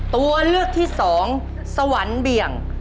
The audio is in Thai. ตัวเลือกที่สองสวรรค์เบี่ยง